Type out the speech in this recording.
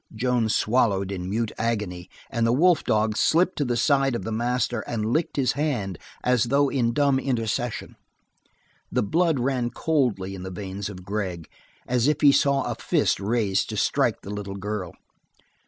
Joan swallowed in mute agony, and the wolf dog slipped to the side of the master and licked his hand as though in dumb intercession. The blood ran coldly in the veins of Gregg, as if he saw a fist raised to strike the little girl.